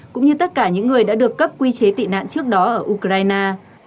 cũng như tất cả những người đã được cấp quy chế tị nạn trước đó ở ukraine